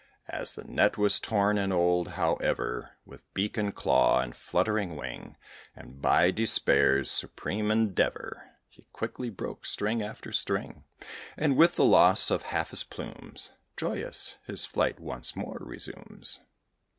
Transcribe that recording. As the net was torn and old, however, With beak, and claw, and fluttering wing, And by despairs supreme endeavour, He quickly broke string after string; And, with the loss of half his plumes, Joyous, his flight once more resumes.